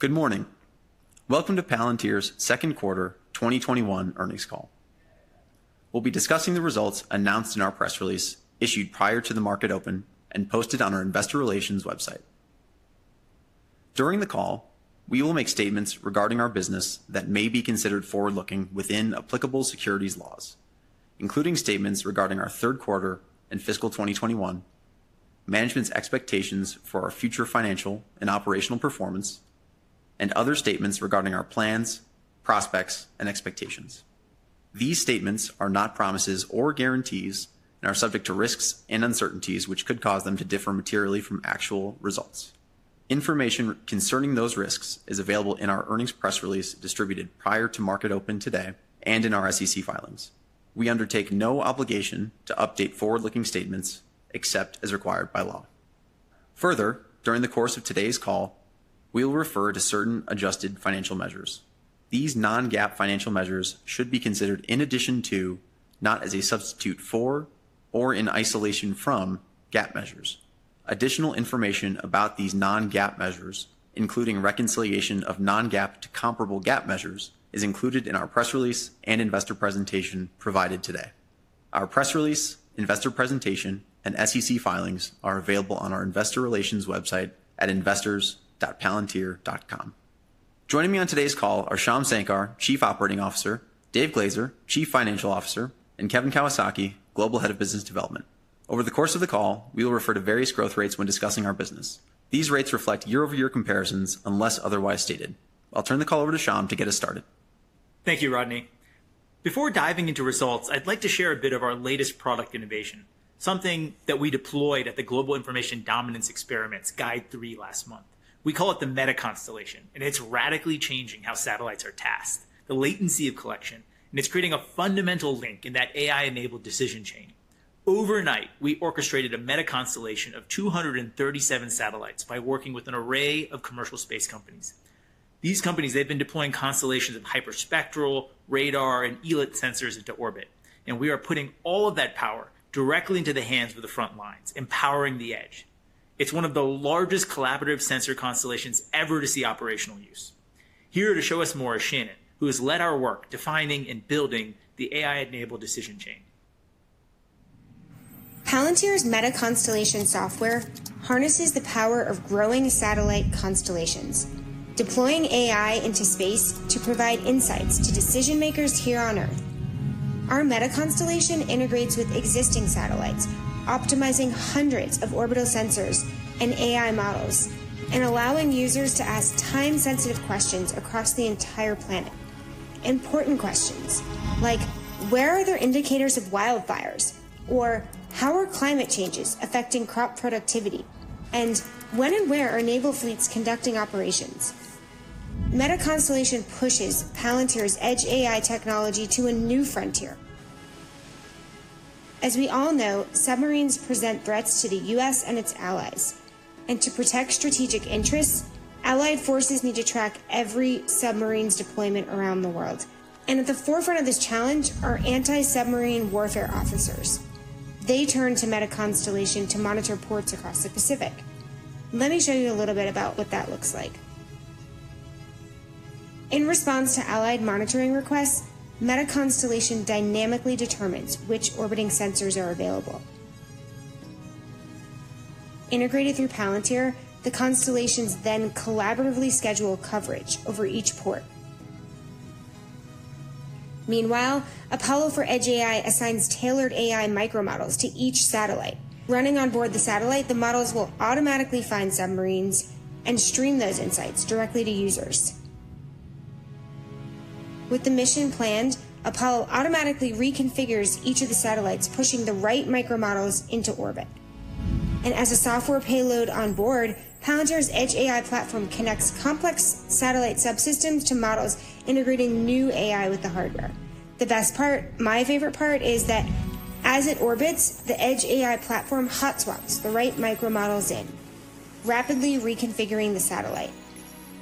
Good morning. Welcome to Palantir's second quarter 2021 earnings call. We'll be discussing the results announced in our press release issued prior to the market open and posted on our investor relations website. During the call, we will make statements regarding our business that may be considered forward-looking within applicable securities laws, including statements regarding our third quarter and fiscal 2021, management's expectations for our future financial and operational performance, and other statements regarding our plans, prospects, and expectations. These statements are not promises or guarantees and are subject to risks and uncertainties which could cause them to differ materially from actual results. Information concerning those risks is available in our earnings press release distributed prior to market open today and in our SEC filings. We undertake no obligation to update forward-looking statements except as required by law. Further, during the course of today's call, we will refer to certain adjusted financial measures. These non-GAAP financial measures should be considered in addition to, not as a substitute for or in isolation from, GAAP measures. Additional information about these non-GAAP measures, including reconciliation of non-GAAP to comparable GAAP measures, is included in our press release and investor presentation provided today. Our press release, investor presentation, and SEC filings are available on our investor relations website at investors.palantir.com. Joining me on today's call are Shyam Sankar, Chief Operating Officer, Dave Glazer, Chief Financial Officer, and Kevin Kawasaki, Global Head of Business Development. Over the course of the call, we will refer to various growth rates when discussing our business. These rates reflect year-over-year comparisons unless otherwise stated. I'll turn the call over to Shyam to get us started. Thank you, Rodney. Before diving into results, I'd like to share a bit of our latest product innovation, something that we deployed at the Global Information Dominance Experiments GIDE 3 last month. We call it the MetaConstellation, and it's radically changing how satellites are tasked, the latency of collection, and it's creating a fundamental link in that AI-enabled decision chain. Overnight, we orchestrated a MetaConstellation of 237 satellites by working with an array of commercial space companies. These companies, they've been deploying constellations of hyperspectral, radar, and ELINT sensors into orbit. We are putting all of that power directly into the hands of the front lines, empowering the edge. It's one of the largest collaborative sensor constellations ever to see operational use. Here to show us more is Shannon, who has led our work defining and building the AI-enabled decision chain. Palantir's MetaConstellation software harnesses the power of growing satellite constellations, deploying AI into space to provide insights to decision-makers here on Earth. Our MetaConstellation integrates with existing satellites, optimizing hundreds of orbital sensors and AI models and allowing users to ask time-sensitive questions across the entire planet. Important questions like, where are there indicators of wildfires? How are climate changes affecting crop productivity? When and where are naval fleets conducting operations? MetaConstellation pushes Palantir's Edge AI technology to a new frontier. As we all know, submarines present threats to the U.S. and its allies, and to protect strategic interests, allied forces need to track every submarine's deployment around the world. At the forefront of this challenge are anti-submarine warfare officers. They turn to MetaConstellation to monitor ports across the Pacific. Let me show you a little bit about what that looks like. In response to allied monitoring requests, MetaConstellation dynamically determines which orbiting sensors are available. Integrated through Palantir, the constellations then collaboratively schedule coverage over each port. Meanwhile, Apollo for Edge AI assigns tailored AI micro models to each satellite. Running on board the satellite, the models will automatically find submarines and stream those insights directly to users. With the mission planned, Apollo automatically reconfigures each of the satellites, pushing the right micro models into orbit. As a software payload on board, Palantir's Edge AI platform connects complex satellite subsystems to models integrating new AI with the hardware. The best part, my favorite part, is that as it orbits, the Edge AI platform hot spots the right micro models in, rapidly reconfiguring the satellite.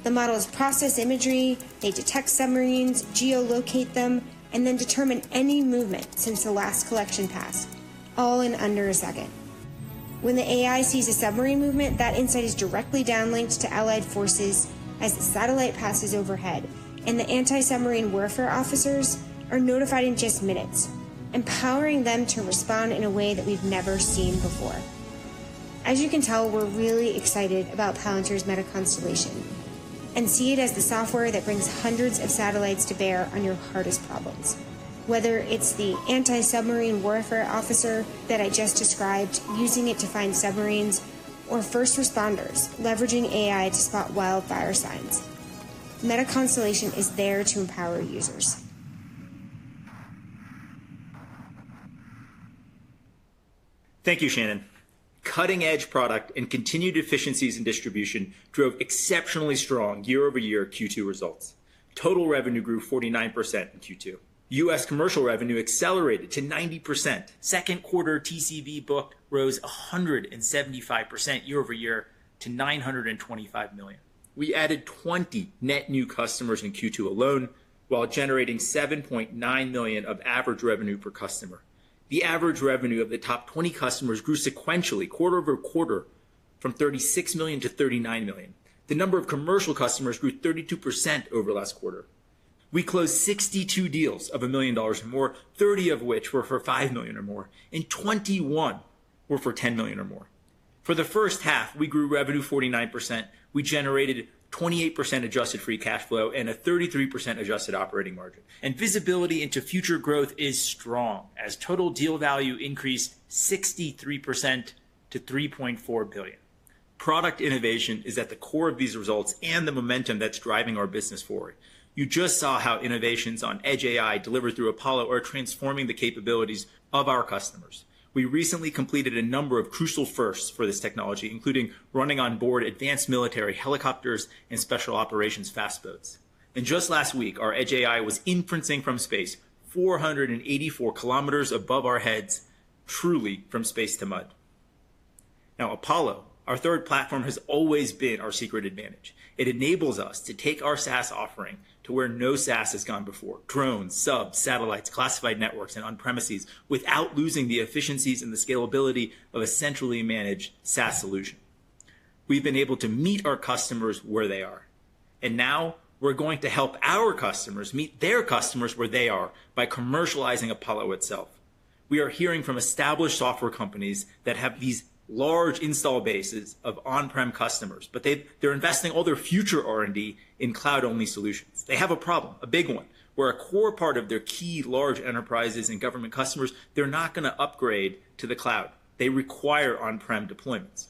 The models process imagery, they detect submarines, geo-locate them, and then determine any movement since the last collection pass, all in under a second. When the AI sees a submarine movement, that insight is directly downlinked to allied forces as the satellite passes overhead, and the anti-submarine warfare officers are notified in just minutes, empowering them to respond in a way that we've never seen before. As you can tell, we're really excited about Palantir's MetaConstellation and see it as the software that brings hundreds of satellites to bear on your hardest problems. Whether it's the anti-submarine warfare officer that I just described using it to find submarines or first responders leveraging AI to spot wildfire signs, MetaConstellation is there to empower users. Thank you, Shannon. Cutting-edge product and continued efficiencies in distribution drove exceptionally strong year-over-year Q2 results. Total revenue grew 49% in Q2. U.S. commercial revenue accelerated to 90%. Second quarter TCV book rose 175% year-over-year to $925 million. We added 20 net new customers in Q2 alone, while generating $7.9 million of average revenue per customer. The average revenue of the top 20 customers grew sequentially quarter-over-quarter from $36 million-$39 million. The number of commercial customers grew 32% over last quarter. We closed 62 deals of $1 million or more, 30 of which were for $5 million or more, and 21 were for $10 million or more. For the first half, we grew revenue 49%, we generated 28% adjusted free cash flow and a 33% adjusted operating margin. Visibility into future growth is strong as total deal value increased 63% to $3.4 billion. Product innovation is at the core of these results and the momentum that's driving our business forward. You just saw how innovations on Edge AI delivered through Apollo are transforming the capabilities of our customers. We recently completed a number of crucial firsts for this technology, including running on board advanced military helicopters and special operations fast boats. Just last week, our Edge AI was inferencing from space 484 km above our heads, truly from space to mud. Apollo, our third platform, has always been our secret advantage. It enables us to take our SaaS offering to where no SaaS has gone before, drones, subs, satellites, classified networks, and on-premises, without losing the efficiencies and the scalability of a centrally managed SaaS solution. We've been able to meet our customers where they are, and now we're going to help our customers meet their customers where they are by commercializing Apollo itself. We are hearing from established software companies that have these large install bases of on-prem customers, but they're investing all their future R&D in cloud-only solutions. They have a problem, a big one, where a core part of their key large enterprises and government customers, they're not going to upgrade to the cloud. They require on-prem deployments.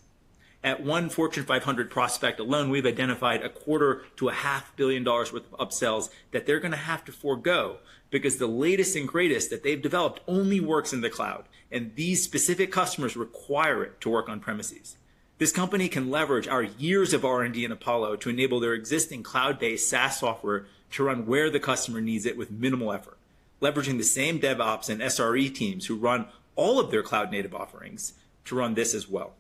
At one Fortune 500 prospect alone, we've identified a quarter to a half billion dollars worth of upsells that they're going to have to forego because the latest and greatest that they've developed only works in the cloud, and these specific customers require it to work on premises. This company can leverage our years of R&D in Apollo to enable their existing cloud-based SaaS software to run where the customer needs it with minimal effort. Leveraging the same DevOps and SRE teams who run all of their cloud-native offerings to run this as well.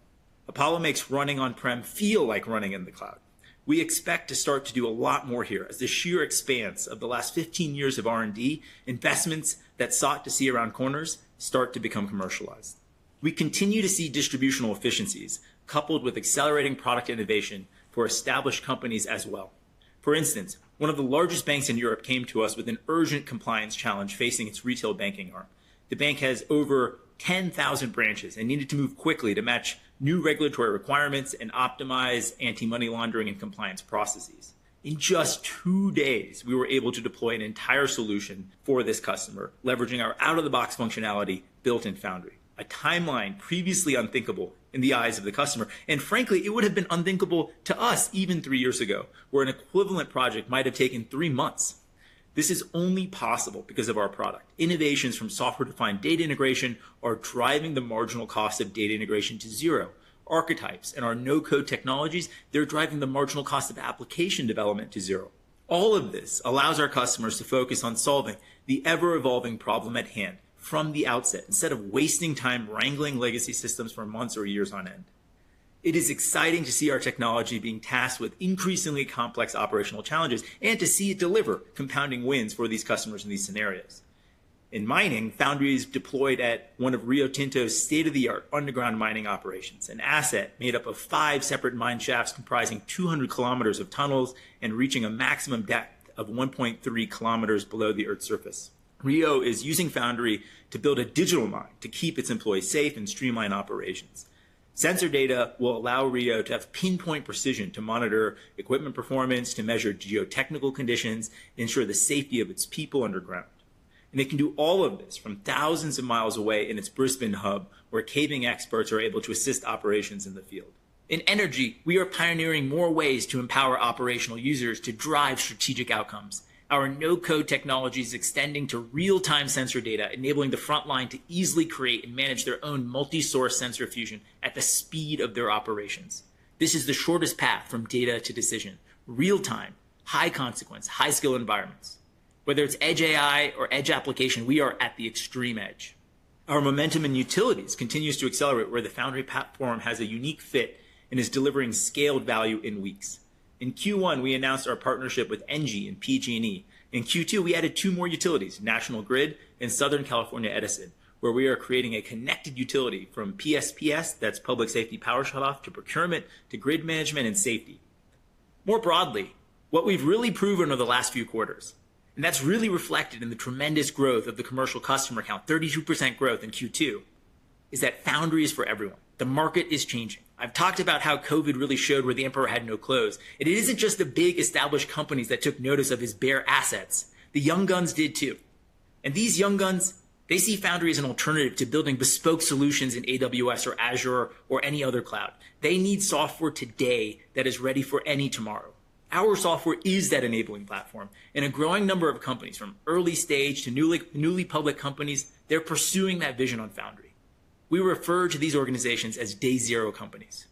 Apollo makes running on-prem feel like running in the cloud. We expect to start to do a lot more here as the sheer expanse of the last 15 years of R&D investments that sought to see around corners start to become commercialized. We continue to see distributional efficiencies coupled with accelerating product innovation for established companies as well. For instance, one of the largest banks in Europe came to us with an urgent compliance challenge facing its retail banking arm. The bank has over 10,000 branches and needed to move quickly to match new regulatory requirements and optimize anti-money laundering and compliance processes. In just 2 days, we were able to deploy an entire solution for this customer, leveraging our out-of-the-box functionality built in Foundry, a timeline previously unthinkable in the eyes of the customer. Frankly, it would have been unthinkable to us even 3 years ago, where an equivalent project might have taken 3 months. This is only possible because of our product. Innovations from software-defined data integration are driving the marginal cost of data integration to zero. Archetypes and our no-code technologies, they're driving the marginal cost of application development to zero. All of this allows our customers to focus on solving the ever-evolving problem at hand from the outset, instead of wasting time wrangling legacy systems for months or years on end. It is exciting to see our technology being tasked with increasingly complex operational challenges and to see it deliver compounding wins for these customers in these scenarios. In mining, Foundry is deployed at one of Rio Tinto's state-of-the-art underground mining operations, an asset made up of 5 separate mine shafts comprising 200 km of tunnels and reaching a maximum depth of 1.3 km below the Earth's surface. Rio is using Foundry to build a digital mine to keep its employees safe and streamline operations. Sensor data will allow Rio to have pinpoint precision to monitor equipment performance, to measure geotechnical conditions, ensure the safety of its people underground. It can do all of this from thousands of miles away in its Brisbane hub, where caving experts are able to assist operations in the field. In energy, we are pioneering more ways to empower operational users to drive strategic outcomes. Our no-code technology is extending to real-time sensor data, enabling the frontline to easily create and manage their own multi-source sensor fusion at the speed of their operations. This is the shortest path from data to decision. Real-time, high consequence, high-skill environments. Whether it's Edge AI or edge application, we are at the extreme edge. Our momentum in utilities continues to accelerate, where the Foundry platform has a unique fit and is delivering scaled value in weeks. In Q1, we announced our partnership with EENGIEIE and PG&E. In Q2, we added two more utilities, National Grid and Southern California Edison, where we are creating a connected utility from PSPS, that's Public Safety Power Shutoff, to procurement to grid management and safety. More broadly, what we've really proven over the last few quarters, and that's really reflected in the tremendous growth of the commercial customer count, 32% growth in Q2, is that Foundry is for everyone. The market is changing. I've talked about how COVID really showed where the emperor had no clothes. It isn't just the big established companies that took notice of his bare assets. The young guns did too. These young guns, they see Foundry as an alternative to building bespoke solutions in AWS or Azure or any other cloud. They need software today that is ready for any tomorrow. Our software is that enabling platform, and a growing number of companies, from early stage to newly public companies, they're pursuing that vision on Foundry. We refer to these organizations as day zero companies.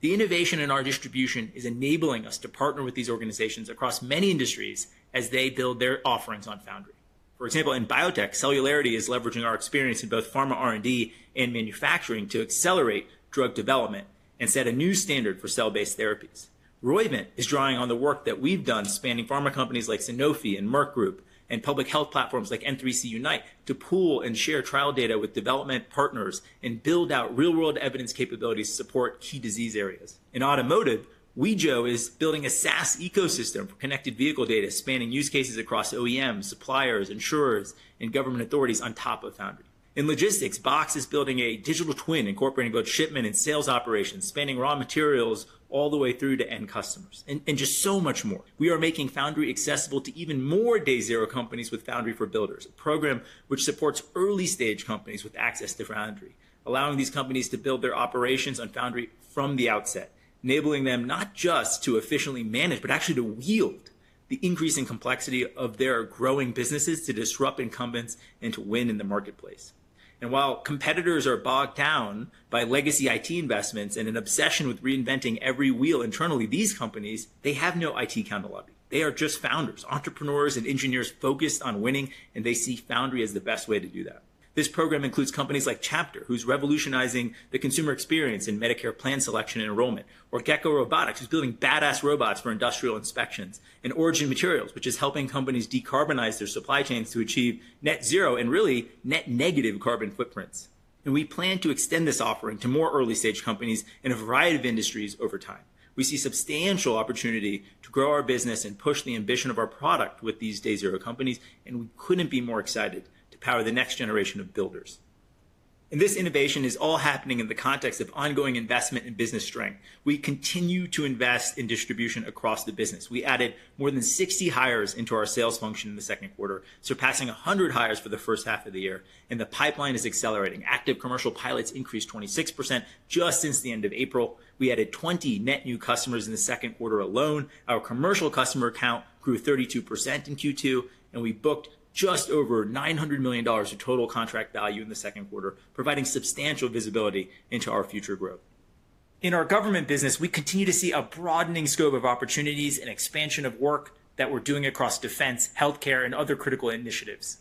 The innovation in our distribution is enabling us to partner with these organizations across many industries as they build their offerings on Foundry. For example, in biotech, Celularity is leveraging our experience in both pharma R&D and manufacturing to accelerate drug development. Set a new standard for cell-based therapies. Roivant is drawing on the work that we've done spanning pharma companies like Sanofi and Merck Group, and public health platforms like N3C UNITE to pool and share trial data with development partners and build out real-world evidence capabilities to support key disease areas. In automotive, Wejo is building a SaaS ecosystem for connected vehicle data spanning use cases across OEMs, suppliers, insurers, and government authorities on top of Foundry. In logistics, Boxed is building a digital twin incorporating both shipment and sales operations, spanning raw materials all the way through to end customers. Just so much more. We are making Foundry accessible to even more day-zero companies with Foundry for Builders, a program which supports early-stage companies with access to Foundry, allowing these companies to build their operations on Foundry from the outset, enabling them not just to efficiently manage, but actually to wield the increasing complexity of their growing businesses to disrupt incumbents and to win in the marketplace. While competitors are bogged down by legacy IT investments and an obsession with reinventing every wheel internally, these companies, they have no IT counter lobby. They are just founders, entrepreneurs, and engineers focused on winning, they see Foundry as the best way to do that. This program includes companies like Chapter, who's revolutionizing the consumer experience in Medicare plan selection and enrollment, or Gecko Robotics, who's building badass robots for industrial inspections, and Origin Materials, which is helping companies decarbonize their supply chains to achieve net zero and really net negative carbon footprints. We plan to extend this offering to more early-stage companies in a variety of industries over time. We see substantial opportunity to grow our business and push the ambition of our product with these day-zero companies, and we couldn't be more excited to power the next generation of builders. This innovation is all happening in the context of ongoing investment and business strength. We continue to invest in distribution across the business. We added more than 60 hires into our sales function in the second quarter, surpassing 100 hires for the first half of the year. The pipeline is accelerating. Active commercial pilots increased 26% just since the end of April. We added 20 net new customers in the second quarter alone. Our commercial customer count grew 32% in Q2. We booked just over $900 million of total contract value in the second quarter, providing substantial visibility into our future growth. In our government business, we continue to see a broadening scope of opportunities and expansion of work that we're doing across defense, healthcare, and other critical initiatives.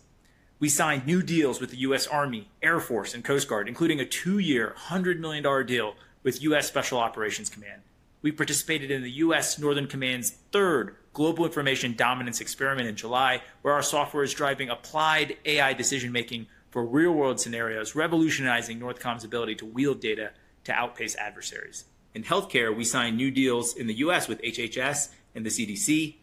We signed new deals with the U.S. Army, Air Force, and Coast Guard, including a two-year, $100 million deal with U.S. Special Operations Command. We participated in the U.S. Northern Command's third Global Information Dominance Experiment in July, where our software is driving applied AI decision-making for real-world scenarios, revolutionizing NORTHCOM's ability to wield data to outpace adversaries. In healthcare, we signed new deals in the U.S. with HHS and the CDC.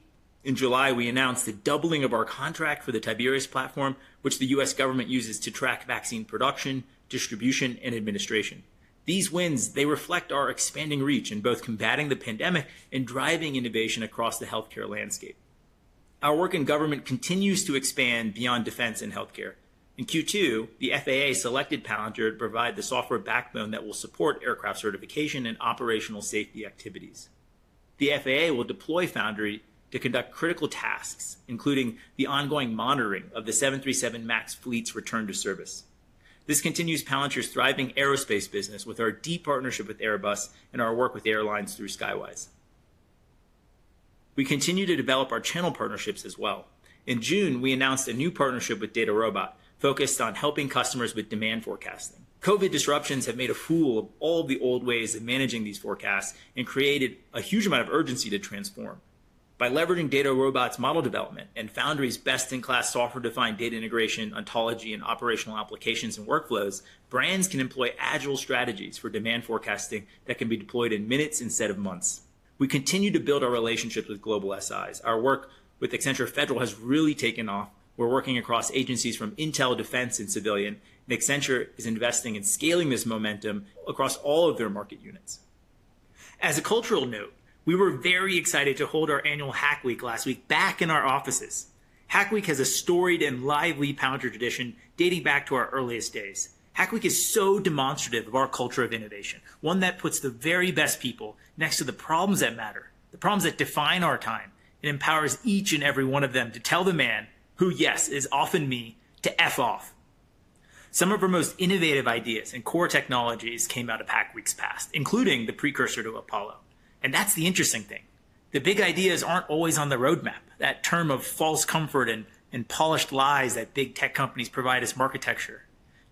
In July, we announced the doubling of our contract for the Tiberius platform, which the U.S. government uses to track vaccine production, distribution, and administration. These wins, they reflect our expanding reach in both combating the pandemic and driving innovation across the healthcare landscape. Our work in government continues to expand beyond defense and healthcare. In Q2, the FAA selected Palantir to provide the software backbone that will support aircraft certification and operational safety activities. The FAA will deploy Foundry to conduct critical tasks, including the ongoing monitoring of the 737 MAX fleet's return to service. This continues Palantir's thriving aerospace business with our deep partnership with Airbus and our work with airlines through Skywise. We continue to develop our channel partnerships as well. In June, we announced a new partnership with DataRobot focused on helping customers with demand forecasting. COVID disruptions have made a fool of all the old ways of managing these forecasts and created a huge amount of urgency to transform. By leveraging DataRobot's model development and Foundry's best-in-class software-defined data integration, ontology, and operational applications and workflows, brands can employ agile strategies for demand forecasting that can be deployed in minutes instead of months. We continue to build our relationship with global SIs. Our work with Accenture Federal has really taken off. We're working across agencies from Intel, Defense, and Civilian, and Accenture is investing in scaling this momentum across all of their market units. As a cultural note, we were very excited to hold our annual Hack Week last week back in our offices. Hack Week has a storied and lively Palantir tradition dating back to our earliest days. Hack Week is so demonstrative of our culture of innovation, one that puts the very best people next to the problems that matter, the problems that define our time. It empowers each and every one of them to tell the man, who yes, is often me, to F off. Some of our most innovative ideas and core technologies came out of Hack Weeks past, including the precursor to Apollo. That's the interesting thing. The big ideas aren't always on the roadmap, that term of false comfort and polished lies that big tech companies provide as marketecture.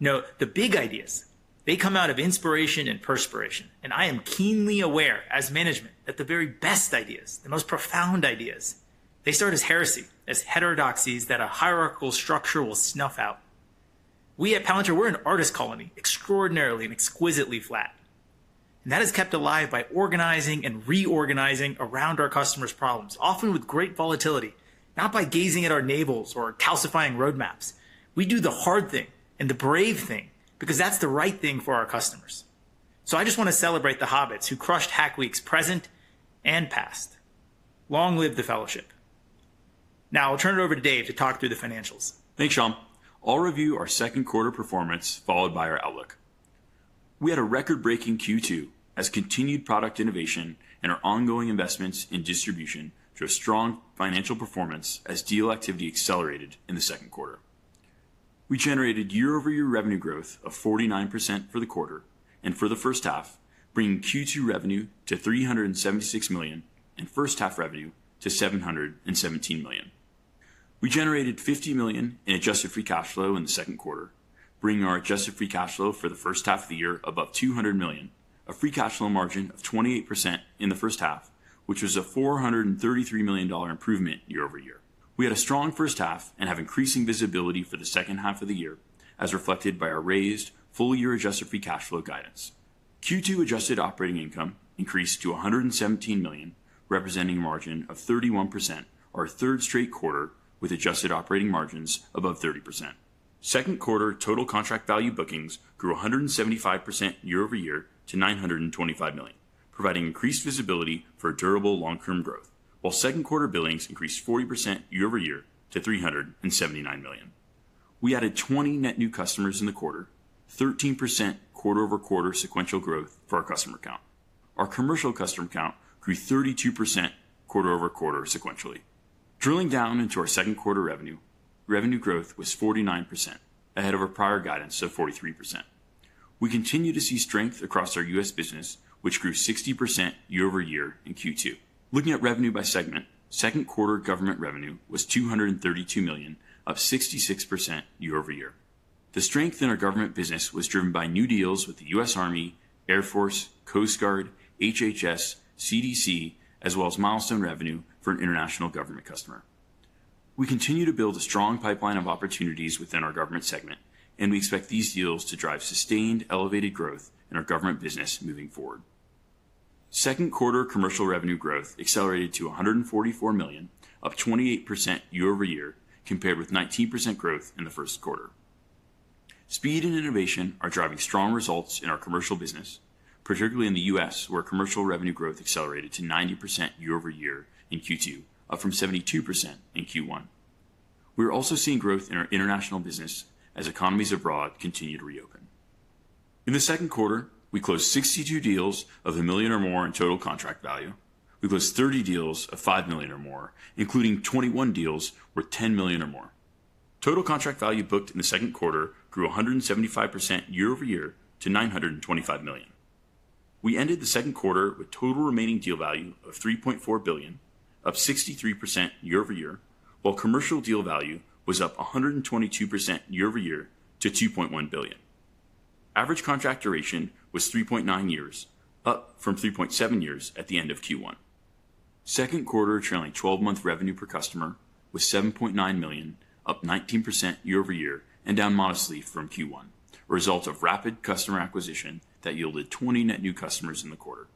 No, the big ideas, they come out of inspiration and perspiration. I am keenly aware as management that the very best ideas, the most profound ideas, they start as heresy, as heterodoxies that a hierarchical structure will snuff out. We at Palantir, we're an artist colony, extraordinarily and exquisitely flat. That is kept alive by organizing and reorganizing around our customers' problems, often with great volatility, not by gazing at our navels or calcifying roadmaps. We do the hard thing and the brave thing because that's the right thing for our customers. I just want to celebrate the hobbits who crushed Hack Weeks present and past. Long live the fellowship. I'll turn it over to Dave to talk through the financials. Thanks, Shyam. I'll review our second quarter performance, followed by our outlook. We had a record-breaking Q2 as continued product innovation and our ongoing investments in distribution drove strong financial performance as deal activity accelerated in the second quarter. We generated year-over-year revenue growth of 49% for the quarter and for the first half, bringing Q2 revenue to $376 million and first-half revenue to $717 million. We generated $50 million in adjusted free cash flow in the second quarter, bringing our adjusted free cash flow for the first half of the year above $200 million, a free cash flow margin of 28% in the first half, which was a $433 million improvement year-over-year. We had a strong first half and have increasing visibility for the second half of the year, as reflected by our raised full-year adjusted free cash flow guidance. Q2 adjusted operating income increased to $117 million, representing a margin of 31%, our third straight quarter with adjusted operating margins above 30%. Second quarter total contract value bookings grew 175% year-over-year to $925 million, providing increased visibility for durable long-term growth, while second quarter billings increased 40% year-over-year to $379 million. We added 20 net new customers in the quarter, 13% quarter-over-quarter sequential growth for our customer count. Our commercial customer count grew 32% quarter-over-quarter sequentially. Drilling down into our second quarter revenue growth was 49%, ahead of our prior guidance of 43%. We continue to see strength across our U.S. business, which grew 60% year-over-year in Q2. Looking at revenue by segment, second quarter government revenue was $232 million, up 66% year-over-year. The strength in our government business was driven by new deals with the US Army, Air Force, Coast Guard, HHS, CDC, as well as milestone revenue for an international government customer. We continue to build a strong pipeline of opportunities within our government segment. We expect these deals to drive sustained elevated growth in our government business moving forward. Second quarter commercial revenue growth accelerated to $144 million, up 28% year-over-year, compared with 19% growth in the first quarter. Speed and innovation are driving strong results in our commercial business, particularly in the U.S., where commercial revenue growth accelerated to 90% year-over-year in Q2, up from 72% in Q1. We're also seeing growth in our international business as economies abroad continue to reopen. In the second quarter, we closed 62 deals of $1 million or more in total contract value. We closed 30 deals of $5 million or more, including 21 deals worth $10 million or more. Total contract value booked in the second quarter grew 175% year-over-year to $925 million. We ended the second quarter with total remaining deal value of $3.4 billion, up 63% year-over-year, while commercial deal value was up 122% year-over-year to $2.1 billion. Average contract duration was 3.9 years, up from 3.7 years at the end of Q1. Second quarter trailing 12-month revenue per customer was $7.9 million, up 19% year-over-year and down modestly from Q1, a result of rapid customer acquisition that yielded 20 net new customers in the quarter.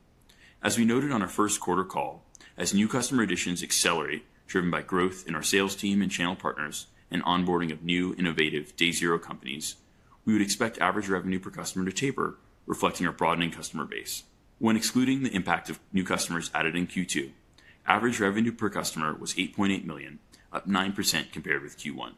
As we noted on our first quarter call, as new customer additions accelerate, driven by growth in our sales team and channel partners and onboarding of new innovative day zero companies, we would expect average revenue per customer to taper, reflecting our broadening customer base. When excluding the impact of new customers added in Q2, average revenue per customer was $8.8 million, up 9% compared with Q1.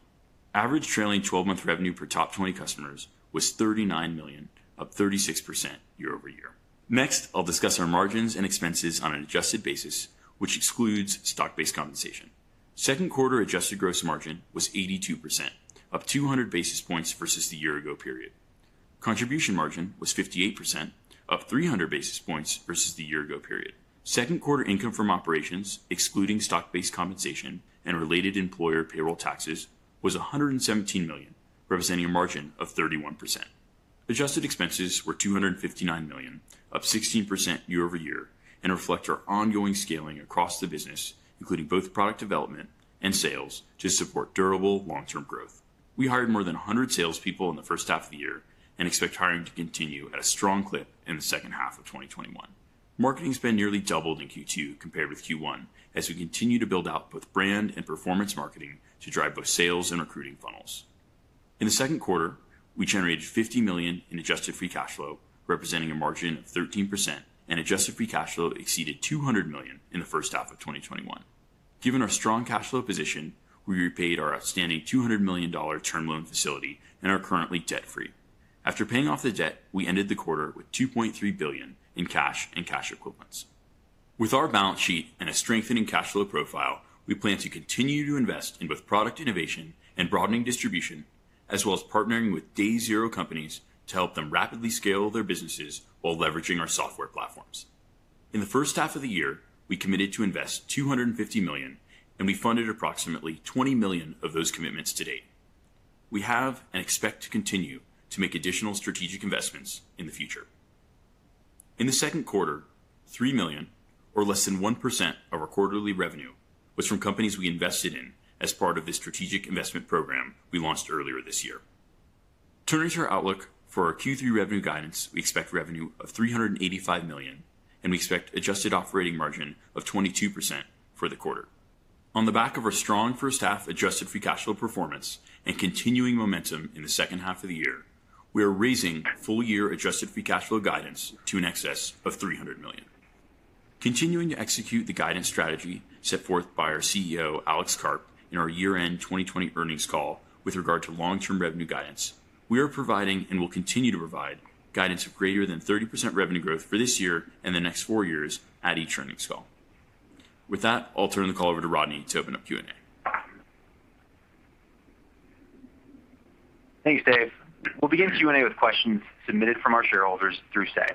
Average trailing 12-month revenue per top 20 customers was $39 million, up 36% year-over-year. Next, I'll discuss our margins and expenses on an adjusted basis, which excludes stock-based compensation. Second quarter adjusted gross margin was 82%, up 200 basis points versus the year-ago period. Contribution margin was 58%, up 300 basis points versus the year-ago period. Second quarter income from operations, excluding stock-based compensation and related employer payroll taxes, was $117 million, representing a margin of 31%. Adjusted expenses were $259 million, up 16% year-over-year, and reflect our ongoing scaling across the business, including both product development and sales to support durable long-term growth. We hired more than 100 salespeople in the first half of the year and expect hiring to continue at a strong clip in the second half of 2021. Marketing spend nearly doubled in Q2 compared with Q1, as we continue to build out both brand and performance marketing to drive both sales and recruiting funnels. In the second quarter, we generated $50 million in adjusted free cash flow, representing a margin of 13%, and adjusted free cash flow exceeded $200 million in the first half of 2021. Given our strong cash flow position, we repaid our outstanding $200 million term loan facility and are currently debt-free. After paying off the debt, we ended the quarter with $2.3 billion in cash and cash equivalents. With our balance sheet and a strengthening cash flow profile, we plan to continue to invest in both product innovation and broadening distribution, as well as partnering with day zero companies to help them rapidly scale their businesses while leveraging our software platforms. In the first half of the year, we committed to invest $250 million, and we funded approximately $20 million of those commitments to date. We have and expect to continue to make additional strategic investments in the future. In the second quarter, $3 million, or less than 1% of our quarterly revenue, was from companies we invested in as part of the strategic investment program we launched earlier this year. Turning to our outlook for our Q3 revenue guidance, we expect revenue of $385 million. We expect adjusted operating margin of 22% for the quarter. On the back of our strong first half adjusted free cash flow performance and continuing momentum in the second half of the year, we are raising full year adjusted free cash flow guidance to in excess of $300 million. Continuing to execute the guidance strategy set forth by our CEO, Alex Karp, in our year-end 2020 earnings call with regard to long-term revenue guidance, we are providing and will continue to provide guidance of greater than 30% revenue growth for this year and the next four years at each earnings call. I'll turn the call over to Rodney to open up Q&A. Thanks, Dave. We'll begin Q&A with questions submitted from our shareholders through Say.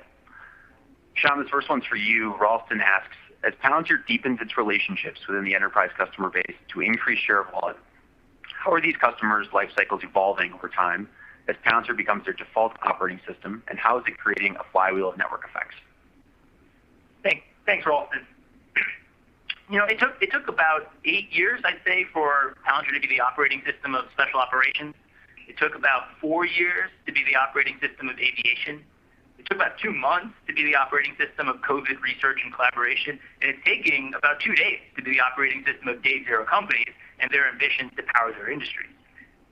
Shyam, this first one's for you. Ralston asks, "As Palantir deepens its relationships within the enterprise customer base to increase share of wallet, how are these customers' life cycles evolving over time as Palantir becomes their default operating system, and how is it creating a flywheel of network effects? Thanks, Ralston. It took about eight years, I'd say, for Palantir to be the operating system of special operations. It took about four years to be the operating system of aviation. It took about two months to be the operating system of COVID research and collaboration. It's taking about two days to be the operating system of day-zero companies and their ambition to power their industries.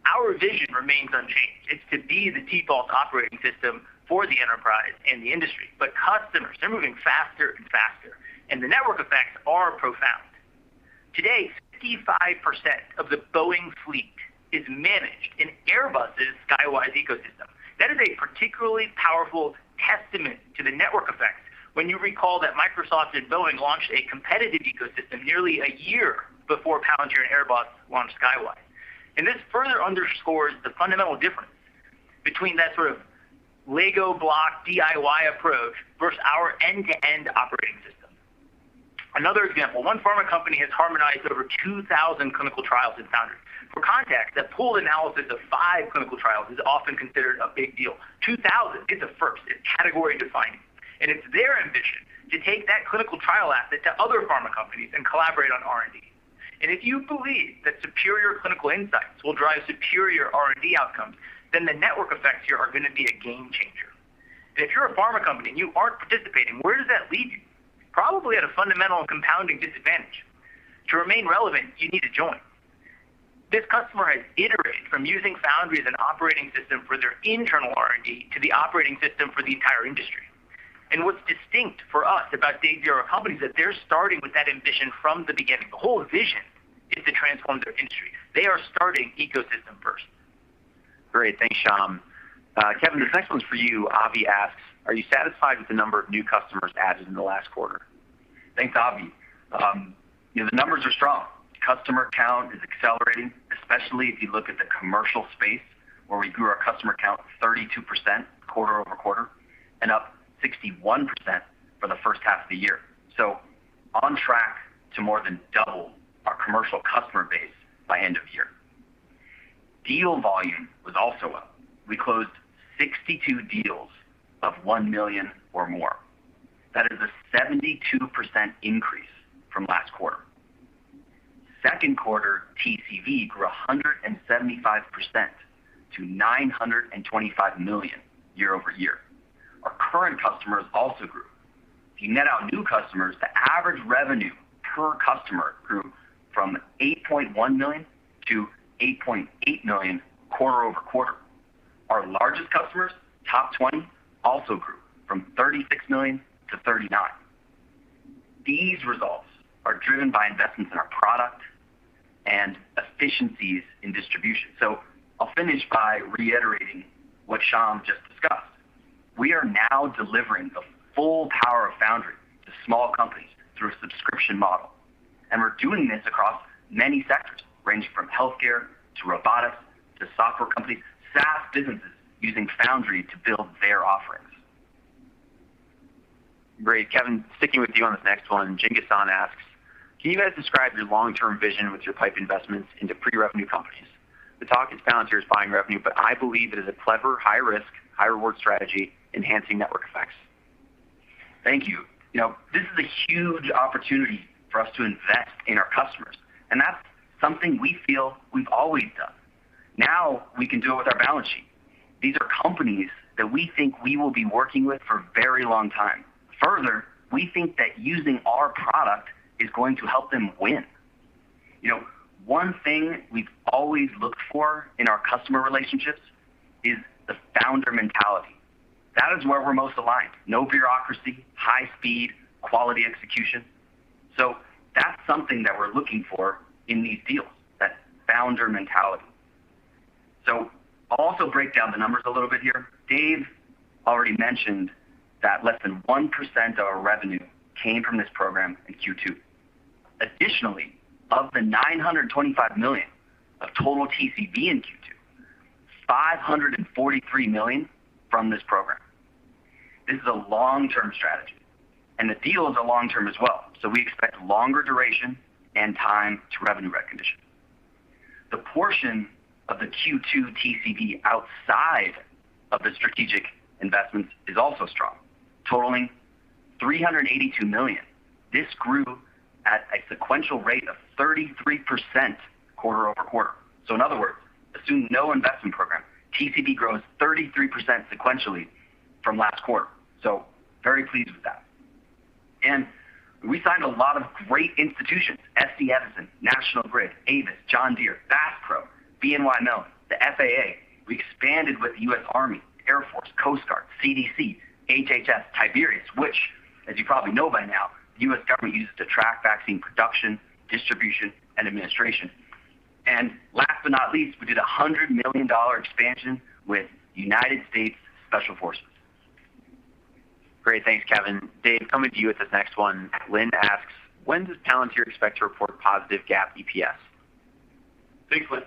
Our vision remains unchanged. It's to be the default operating system for the enterprise and the industry. Customers, they're moving faster and faster, and the network effects are profound. Today, 65% of the Boeing fleet is managed in Airbus's Skywise ecosystem. That is a particularly powerful testament to the network effect when you recall that Microsoft and Boeing launched a competitive ecosystem nearly a year before Palantir and Airbus launched Skywise. This further underscores the fundamental difference between that sort of Lego block DIY approach versus our end-to-end operating system. Another example, one pharma company has harmonized over 2,000 clinical trials in Foundry. For context, a pool analysis of five clinical trials is often considered a big deal. 2,000 is a first. It's category defining. It's their ambition to take that clinical trial asset to other pharma companies and collaborate on R&D. If you believe that superior clinical insights will drive superior R&D outcomes, then the network effects here are going to be a game changer. If you're a pharma company and you aren't participating, where does that leave you? Probably at a fundamental and compounding disadvantage. To remain relevant, you need to join. This customer has iterated from using Foundry as an operating system for their internal R&D to the operating system for the entire industry. What's distinct for us about day-zero companies is that they're starting with that ambition from the beginning. The whole vision is to transform their industry. They are starting ecosystem first. Great. Thanks, Shyam. Kevin, this next one's for you. Avi asks, "Are you satisfied with the number of new customers added in the last quarter? Thanks, Avi. The numbers are strong. Customer count is accelerating, especially if you look at the commercial space, where we grew our customer count 32% quarter-over-quarter, and up 61% for the first half of the year. On track to more than double our commercial customer base by end of year. Deal volume was also up. We closed 62 deals of $1 million or more. That is a 72% increase from last quarter. Second quarter TCV grew 175% to $925 million year-over-year. Our current customers also grew. If you net out new customers, the average revenue per customer grew from $8.1 million to $8.8 million quarter-over-quarter. Our largest customers, top 20, also grew from $36 million to $39 million. These results are driven by investments in our product and efficiencies in distribution. I'll finish by reiterating what Shyam just discussed. We are now delivering the full power of Foundry to small companies through a subscription model. We're doing this across many sectors, ranging from healthcare, to robotics, to software companies, SaaS businesses using Foundry to build their offerings. Great. Kevin, sticking with you on this next one. Jingason asks, "Can you guys describe your long-term vision with your pipe investments into pre-revenue companies? The talk is Palantir is buying revenue, but I believe it is a clever, high-risk, high-reward strategy enhancing network effects. Thank you. This is a huge opportunity for us to invest in our customers, and that's something we feel we've always done. Now we can do it with our balance sheet. These are companies that we think we will be working with for a very long time. Further, we think that using our product is going to help them win. One thing we've always looked for in our customer relationships is the founder mentality. That is where we're most aligned. No bureaucracy, high speed, quality execution. That's something that we're looking for in these deals, that founder mentality. I'll also break down the numbers a little bit here. Dave already mentioned that less than 1% of our revenue came from this program in Q2. Additionally, of the $925 million of total TCV in Q2, $543 million from this program. This is a long-term strategy, and the deal is a long-term as well. We expect longer duration and time to revenue recognition. The portion of the Q2 TCV outside of the strategic investments is also strong, totaling $382 million. This grew at a sequential rate of 33% quarter-over-quarter. In other words, assume no investment program. TCV grows 33% sequentially from last quarter, so very pleased with that. We signed a lot of great institutions, SC Edison, National Grid, Avis, John Deere, Fast Radius, BNY Mellon, the FAA. We expanded with the U.S. Army, Air Force, Coast Guard, CDC, HHS, Tiberius, which as you probably know by now, the U.S. government uses to track vaccine production, distribution, and administration. Last but not least, we did a $100 million expansion with United States Special Forces. Great. Thanks, Kevin. Dave, coming to you with this next one. Lynn asks, "When does Palantir expect to report positive GAAP EPS? Thanks, Lynn.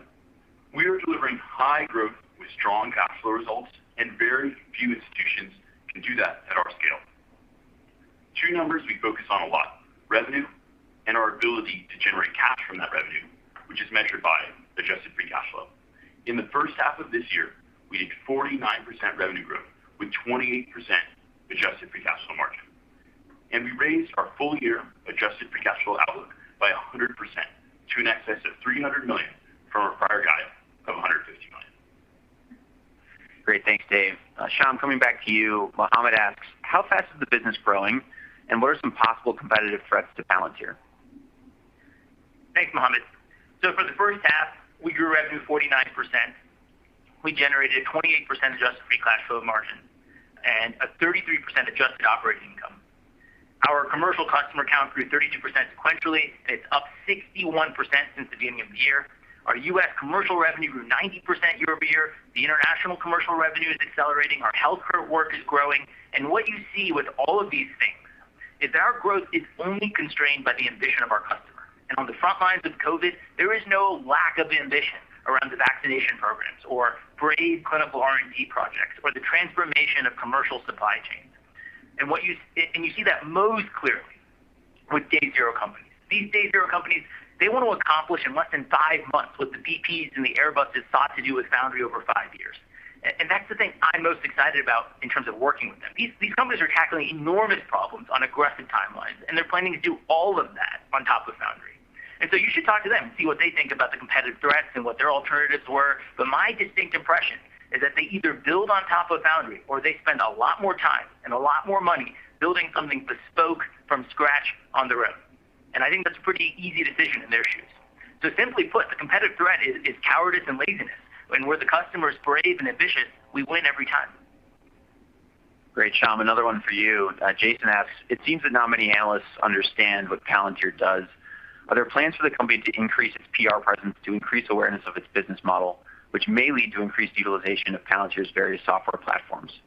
We are delivering high growth with strong cash flow results, and very few institutions can do that at our scale. Two numbers we focus on a lot, revenue and our ability to generate cash from that revenue, which is measured by adjusted free cash flow. In the first half of this year, we did 49% revenue growth with 28% adjusted free cash flow margin, and we raised our full-year adjusted free cash flow outlook by 100% to in excess of $300 million from our prior guide of $150 million. Great. Thanks, Dave. Shyam, coming back to you. Mohammed asks, "How fast is the business growing, and what are some possible competitive threats to Palantir? Thanks, Mohammed. For the first half, we grew revenue 49%. We generated 28% adjusted free cash flow margin and a 33% adjusted operating income. Our commercial customer count grew 32% sequentially. It's up 61% since the beginning of the year. Our U.S. commercial revenue grew 90% year-over-year. The international commercial revenue is accelerating. Our healthcare work is growing. What you see with all of these things is our growth is only constrained by the ambition of our customer. On the front lines of COVID, there is no lack of ambition around the vaccination programs or brave clinical R&D projects or the transformation of commercial supply chains. You see that most clearly with day zero companies. These day zero companies, they want to accomplish in less than five months what the BPs and the Airbuses sought to do with Foundry over five years. That's the thing I'm most excited about in terms of working with them. These companies are tackling enormous problems on aggressive timelines, and they're planning to do all of that on top of Foundry. You should talk to them and see what they think about the competitive threats and what their alternatives were. My distinct impression is that they either build on top of Foundry or they spend a lot more time and a lot more money building something bespoke from scratch on their own. I think that's a pretty easy decision in their shoes. Simply put, the competitive threat is cowardice and laziness. When where the customer is brave and ambitious, we win every time. Great, Shyam. Another one for you. Jason asks, "It seems that not many analysts understand what Palantir does. Are there plans for the company to increase its PR presence to increase awareness of its business model, which may lead to increased utilization of Palantir's various software platforms?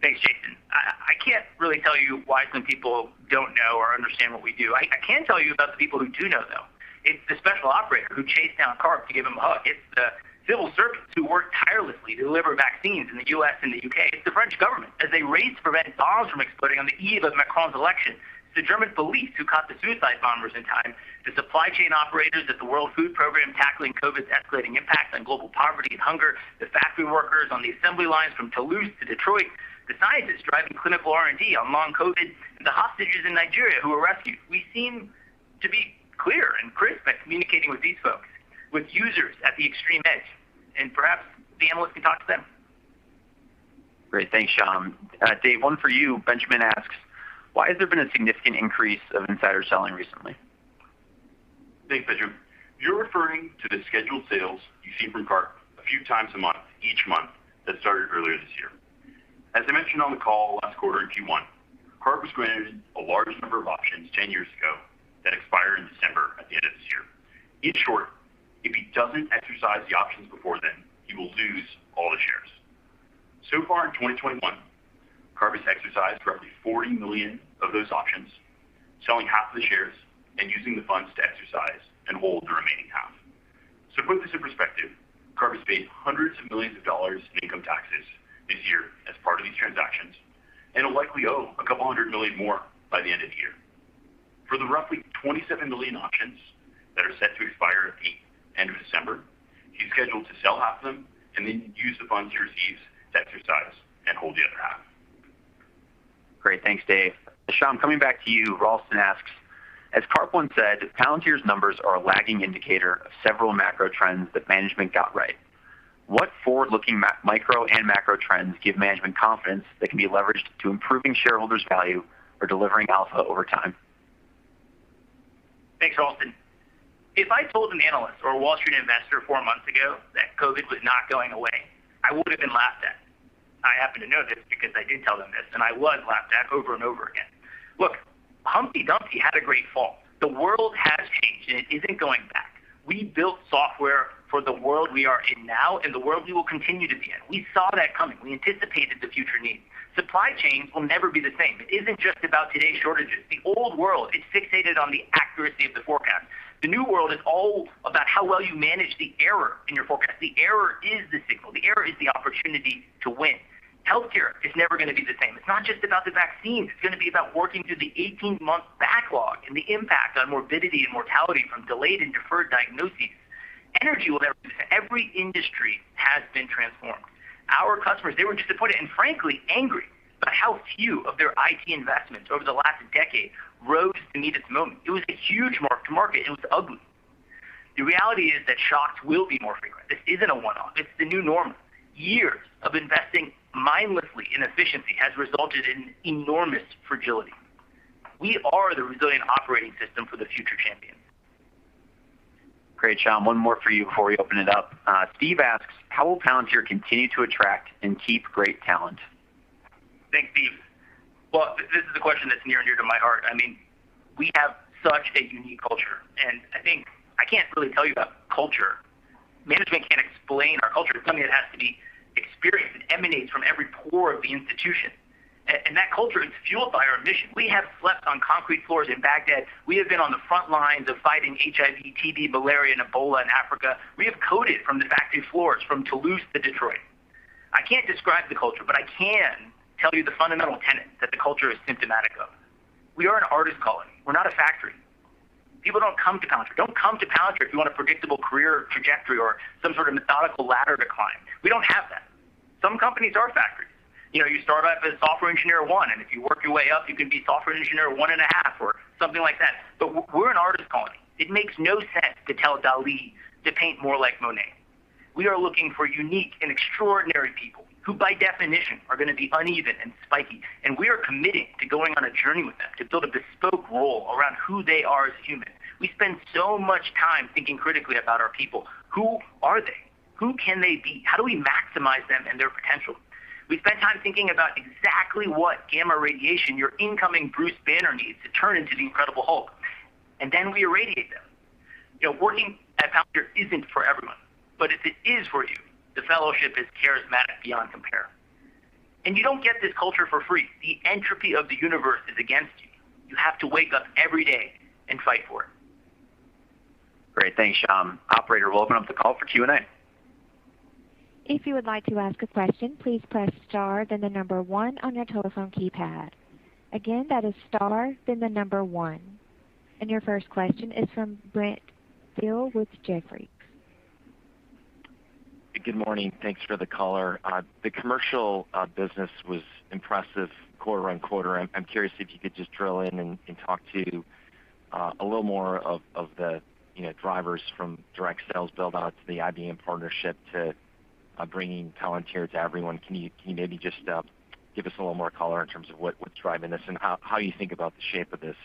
Thanks, Jason. I can't really tell you why some people don't know or understand what we do. I can tell you about the people who do know, though. It's the special operator who chased down Karp to give him a hug. It's the civil servants who work tirelessly to deliver vaccines in the U.S. and the U.K. It's the French government as they race to prevent bombs from exploding on the eve of Macron's election. It's the German police who caught the suicide bombers in time. The supply chain operators at the World Food Programme tackling COVID's escalating impact on global poverty and hunger, the factory workers on the assembly lines from Toulouse to Detroit, the scientists driving clinical R&D on long COVID, and the hostages in Nigeria who were rescued. We seem to be clear and crisp at communicating with these folks, with users at the extreme edge, and perhaps the analysts can talk to them. Great. Thanks, Shyam. Dave, one for you. Benjamin asks, "Why has there been a significant increase of insider selling recently? Thanks, Benjamin. You're referring to the scheduled sales you see from Karp a few times a month, each month, that started earlier this year. As I mentioned on the call last quarter in Q1, Karp was granted a large number of options 10 years ago that expire in December at the end of this year. In short, if he doesn't exercise the options before then, he will lose all the shares. Far in 2021, Karp has exercised roughly 40 million of those options, selling half the shares and using the funds to exercise and hold the remaining half. To put this in perspective, Karp has paid hundreds of millions of dollars in income taxes this year as part of these transactions and will likely owe a couple of hundred million more by the end of the year. For the roughly 27 million options that are set to expire at the end of December, he's scheduled to sell half of them and then use the funds he receives to exercise and hold the other half. Great. Thanks, Dave. Shyam, coming back to you. Ralston asks, "As Karp once said, Palantir's numbers are a lagging indicator of several macro trends that management got right. What forward-looking micro and macro trends give management confidence that can be leveraged to improving shareholders' value or delivering alpha over time? Thanks, Ralston. If I told an analyst or a Wall Street investor four months ago that COVID was not going away, I would have been laughed at. I happen to know this because I did tell them this, and I was laughed at over and over again. Look, Humpty Dumpty had a great fall. The world has changed, and it isn't going back. We built software for the world we are in now and the world we will continue to be in. We saw that coming. We anticipated the future needs. Supply chains will never be the same. It isn't just about today's shortages. The old world is fixated on the accuracy of the forecast. The new world is all about how well you manage the error in your forecast. The error is the signal. The error is the opportunity to win. Healthcare is never going to be the same. It's not just about the vaccines. It's going to be about working through the 18-month backlog and the impact on morbidity and mortality from delayed and deferred diagnoses. Energy will never be the same. Every industry has been transformed. Our customers, they were disappointed and frankly angry about how few of their IT investments over the last decade rose to meet this moment. It was a huge mark to market, and it was ugly. The reality is that shocks will be more frequent. This isn't a one-off. It's the new normal. Years of investing mindlessly in efficiency has resulted in enormous fragility. We are the resilient operating system for the future champion. Great, Shyam. One more for you before we open it up. Steve asks, "How will Palantir continue to attract and keep great talent? Thanks, Steve. Well, this is a question that's near and dear to my heart. We have such a unique culture, and I think I can't really tell you about culture. Something that has to be experienced and emanates from every pore of the institution. That culture is fueled by our mission. We have slept on concrete floors in Baghdad. We have been on the front lines of fighting HIV, TB, malaria, and Ebola in Africa. We have coded from the factory floors from Toulouse to Detroit. I can't describe the culture, but I can tell you the fundamental tenet that the culture is symptomatic of. We are an artist colony. We're not a factory. People don't come to Palantir. Don't come to Palantir if you want a predictable career trajectory or some sort of methodical ladder to climb. We don't have that. Some companies are factories. You start out as software engineer one, and if you work your way up, you can be software engineer one and a half or something like that. We're an artist colony. It makes no sense to tell Dali to paint more like Monet. We are looking for unique and extraordinary people who, by definition, are going to be uneven and spiky, and we are committed to going on a journey with them to build a bespoke role around who they are as humans. We spend so much time thinking critically about our people. Who are they? Who can they be? How do we maximize them and their potential? We spend time thinking about exactly what gamma radiation your incoming Bruce Banner needs to turn into the Incredible Hulk, and then we irradiate them. Working at Palantir isn't for everyone. If it is for you, the fellowship is charismatic beyond compare. You don't get this culture for free. The entropy of the universe is against you. You have to wake up every day and fight for it. Great. Thanks, Shyam. Operator, we'll open up the call for Q&A. If you would like to ask a question, please press star then the number one on your telephone keypad. Again, that is star then the number one. Your first question is from Brent Thill with Jefferies. Good morning. Thanks for the color. The commercial business was impressive quarter-on-quarter. I'm curious if you could just drill in and talk to a little more of the drivers from direct sales build out to the IBM partnership to bringing Palantir to everyone. Can you maybe just give us a little more color in terms of what's driving this and how you think about the shape of this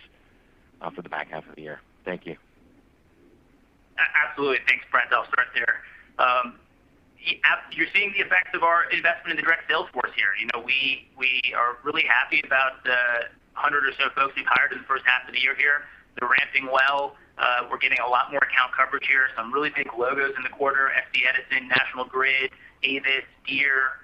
for the back half of the year? Thank you. Absolutely. Thanks, Brent. I'll start there. You're seeing the effects of our investment in the direct sales force here. We are really happy about the 100 or so folks we've hired in the first half of the year here. They're ramping well. We're getting a lot more account coverage here, some really big logos in the quarter, Southern California Edison, National Grid, Avis, Deere.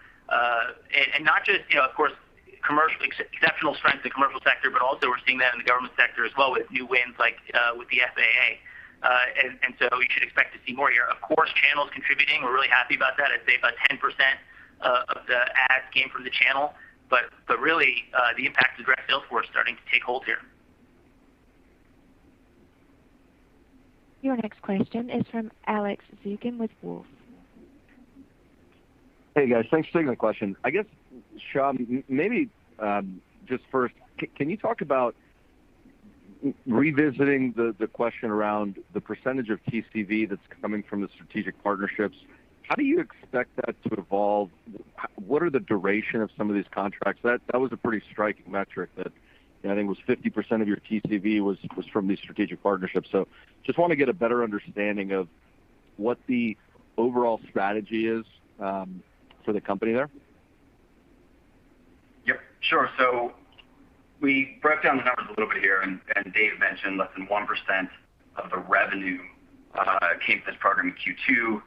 Not just, of course, exceptional strength in the commercial sector, but also we're seeing that in the government sector as well with new wins like with the FAA. You should expect to see more here. Of course, channel's contributing. We're really happy about that. I'd say about 10% of the adds came from the channel. Really, the impact of the direct sales force starting to take hold here. Your next question is from Alex Zukin with Wolfe Research. Hey, guys. Thanks for taking the question. I guess, Shyam, maybe just first, can you talk about revisiting the question around the percentage of TCV that's coming from the strategic partnerships? How do you expect that to evolve? What are the duration of some of these contracts? That was a pretty striking metric that I think was 50% of your TCV was from these strategic partnerships. Just want to get a better understanding of what the overall strategy is for the company there. Yep. Sure. We broke down the numbers a little bit here, and Dave mentioned less than 1% of the revenue came from this program in Q2.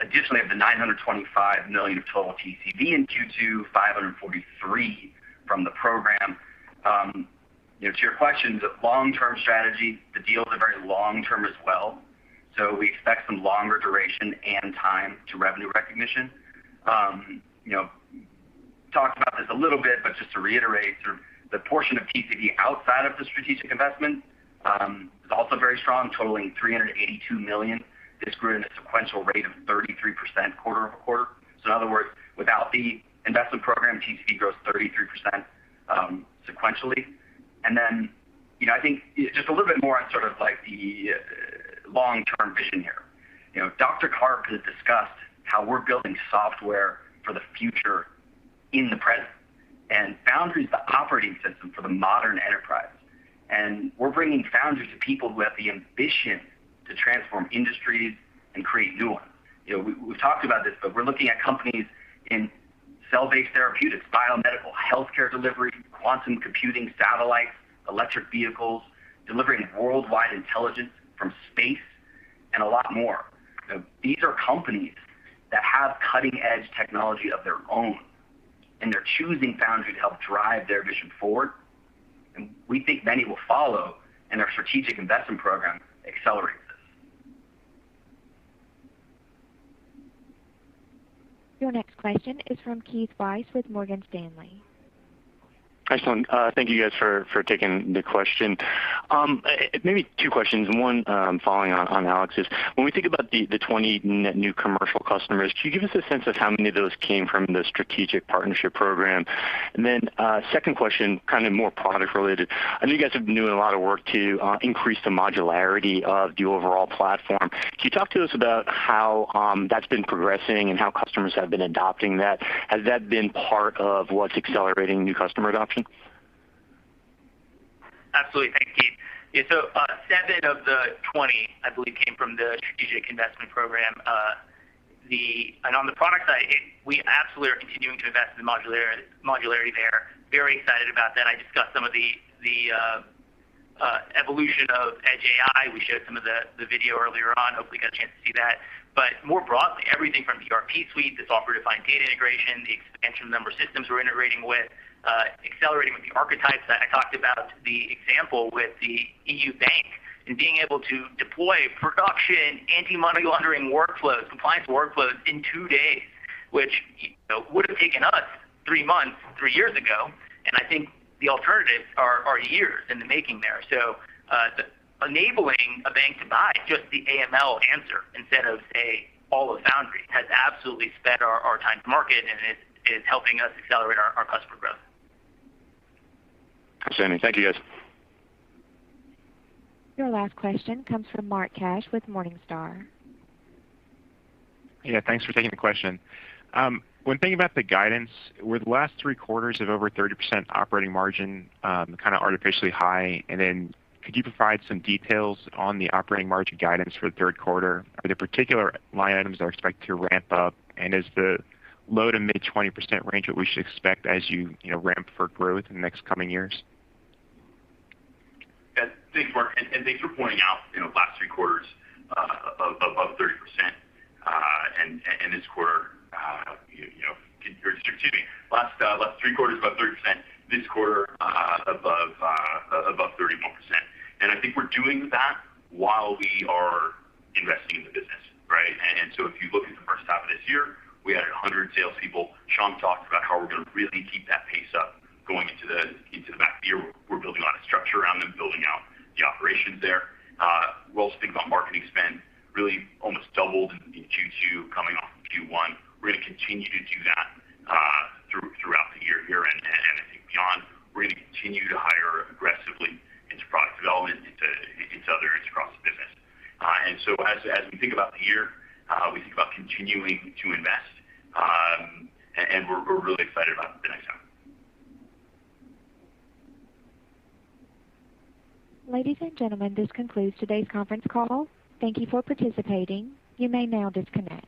Additionally, of the $925 million of total TCV in Q2, $543 from the program. To your question, long-term strategy, the deals are very long-term as well. We expect some longer duration and time to revenue recognition. We talked about this a little bit, but just to reiterate, the portion of TCV outside of the strategic investment is also very strong, totaling $382 million. It's grown at a sequential rate of 33% quarter-over-quarter. In other words, without the investment program, TCV grows 33% sequentially. I think just a little bit more on the long-term vision here. Dr. Karp has discussed how we're building software for the future in the present, and Foundry's the operating system for the modern enterprise. We're bringing Foundry to people who have the ambition to transform industries and create new ones. We've talked about this, but we're looking at companies in cell-based therapeutics, biomedical healthcare delivery, quantum computing satellites, electric vehicles, delivering worldwide intelligence from space, and a lot more. These are companies that have cutting-edge technology of their own, and they're choosing Foundry to help drive their vision forward. We think many will follow, and our strategic investment program accelerates this. Your next question is from Keith Weiss with Morgan Stanley. Excellent. Thank you guys for taking the question. Maybe two questions, one following on Alex's. When we think about the 20 net new commercial customers, can you give us a sense of how many of those came from the strategic partnership program? Second question, more product related. I know you guys have been doing a lot of work to increase the modularity of the overall platform. Can you talk to us about how that's been progressing and how customers have been adopting that? Has that been part of what's accelerating new customer adoption? Absolutely. Thanks, Keith. Yeah, seven of the 20, I believe, came from the strategic investment program. On the product side, we absolutely are continuing to invest in modularity there. Very excited about that. Evolution of Edge AI. We showed some of the video earlier on. Hopefully you got a chance to see that. More broadly, everything from ERP suite to software-defined data integration, the expansion of the number of systems we're integrating with, accelerating with the archetypes that I talked about, the example with the EU bank, and being able to deploy production anti-money laundering workflows, compliance workflows in two days, which would have taken us three months, three years ago. I think the alternatives are years in the making there. Enabling a bank to buy just the AML answer instead of, say, all of Foundry has absolutely sped our time to market, and it is helping us accelerate our customer growth. Understanding. Thank you, guys. Your last question comes from Mark Cash with Morningstar. Yeah. Thanks for taking the question. When thinking about the guidance, were the last three quarters of over 30% operating margin kind of artificially high? Could you provide some details on the operating margin guidance for the third quarter? Is the low to mid 20% range what we should expect as you ramp for growth in the next coming years? Yeah. Thanks, Mark, and thanks for pointing out last three quarters above 30%, and this quarter, excuse me, last three quarters above 30%, this quarter above 31%. I think we're doing that while we are investing in the business. Right? If you look at the first half of this year, we added 100 salespeople. Shyam talked about how we're going to really keep that pace up going into the back half of the year. We're building out a structure around them, building out the operations there. Roles, think about marketing spend really almost doubled in Q2 coming off of Q1. We're going to continue to do that throughout the year here and I think beyond. We're going to continue to hire aggressively into product development, into other, across the business. As we think about the year, we think about continuing to invest. We're really excited about the next time. Ladies and gentlemen, this concludes today's conference call. Thank you for participating. You may now disconnect.